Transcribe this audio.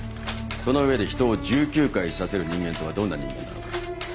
その上で人を１９回刺せる人間とはどんな人間なのか？